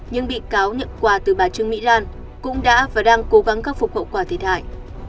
nhưng bị cáo nhận quà từ bà trương mỹ lan cũng đã và đang cố gắng khắc phục hậu quả thiệt hại